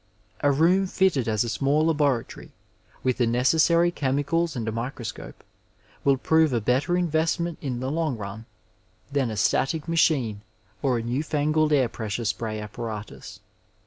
A room fitted as a small laboratory, with the necessary chemicals and a microscope, will prove a better investment in the long run than a static machine or a new hngled air pressure spray apparatus.